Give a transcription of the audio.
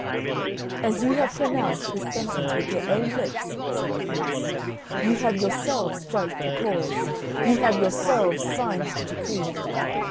"As you have pronounced this sentence with your own lips," said the Prince, "you have yourselves judged the cause, you have yourselves signed the decree.